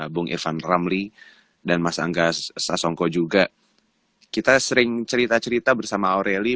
bung irvan ramli dan mas angga sasongko juga kita sering cerita cerita bersama aureli